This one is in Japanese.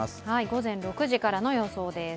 午前６時からの予想です。